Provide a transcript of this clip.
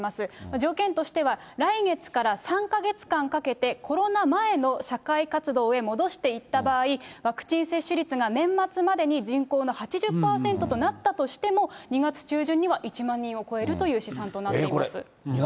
条件としては来月から３か月間かけて、コロナ前の社会活動へ戻していった場合、ワクチン接種率が年末までに人口の８０％となったとしても、２月中旬には１万人を超えるという試算となっています。